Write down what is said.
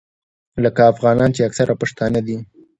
لکه افغانان چې اکثره پښتانه دي.